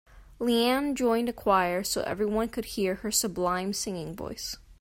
Leanne joined a choir so everyone could hear her sublime singing voice.